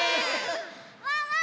ワンワン！